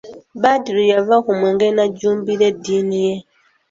Badru yava ku mwenge n'ajjumbira eddiini ye.